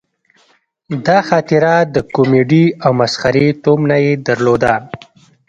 دا خاطره د کومیډي او مسخرې تومنه یې درلوده.